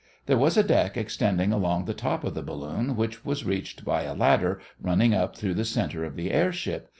There was a deck extending along the top of the balloon which was reached by a ladder running up through the center of the airship.